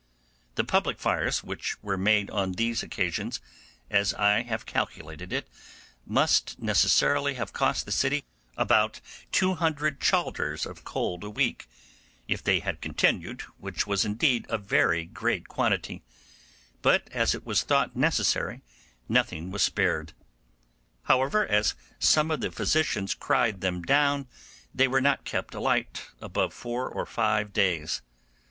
The public fires which were made on these occasions, as I have calculated it, must necessarily have cost the city about 200 chalders of coals a week, if they had continued, which was indeed a very great quantity; but as it was thought necessary, nothing was spared. However, as some of the physicians cried them down, they were not kept alight above four or five days.